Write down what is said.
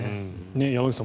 山口さん